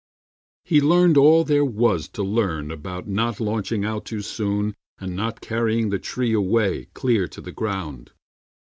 He learned all there was To learn about not launching out too soon And so not carrying the tree away Clear to the ground.